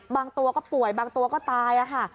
บางตัวก็ป่วยบางตัวก็ตายค่ะ